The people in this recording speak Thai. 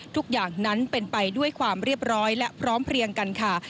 ทุกอย่างนั้นเป็นไปด้วยความเรียบร้อยและพร้อมเพลียงกันค่ะ